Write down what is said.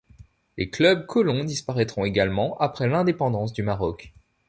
Les clubs colons disparaîtront également après l’indépendance du Maroc.